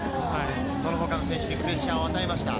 その他の選手にプレッシャーを与えました。